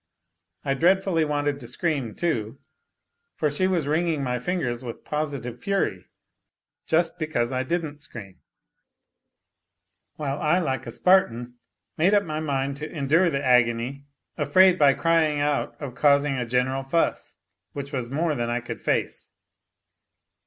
I dreadfully wanted to scream, too, for she was wringing my fingers with positive fury just because I didn't scream; while I, like a Spartan, made up my mind to endure the agony, afraid by crying out of causing a general fuss, which was more than I could face.